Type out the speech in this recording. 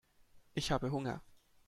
Ich habe Hunger.